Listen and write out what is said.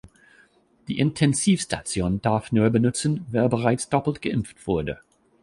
Die Intensivstation darf nur benutzen, wer bereits doppelt geimpft wurde.